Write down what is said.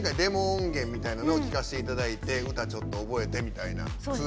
音源みたいなものを聴かせていただいて歌ちょっと覚えてみたいな。